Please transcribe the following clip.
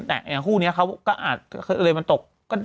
แต่อย่างคู่นี้เขาก็เลยมาตก